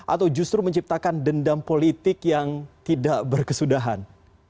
atau justru menciptakan dendam politik yang tidak berkesudahan